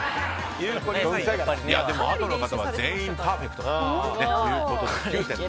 あとの方は全員パーフェクトということで。